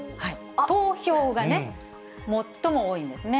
投票がね、最も多いんですね。